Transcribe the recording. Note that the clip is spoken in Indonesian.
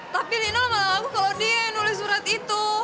tapi linol malah ngaku kalo dia yang nulis surat itu